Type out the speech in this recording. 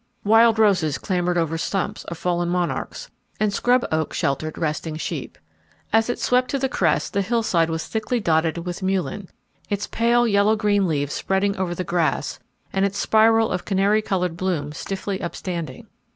Wild roses clambered over stumps of fallen monarchs, and scrub oak sheltered resting sheep. As it swept to the crest, the hillside was thickly dotted with mullein, its pale yellow green leaves spreading over the grass, and its spiral of canary coloured bloom stiffly upstanding.